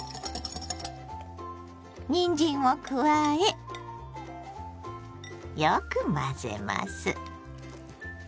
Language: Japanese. にんじんを加えよく混ぜます。